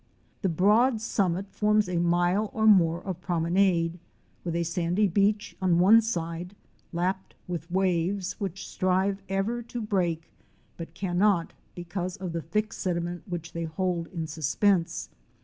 The proad summit forms a mile or more of promenade, with a sandy beach on one side, lapped with waves which strive ever to break, but cannot because of the thick sediment which they hold in suspense.